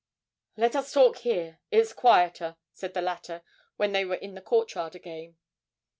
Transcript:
'Let us talk here; it's quieter,' said the latter when they were in the courtyard again.